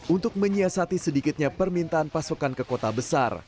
untuk menyiasati sedikitnya permintaan pasokan ke kota besar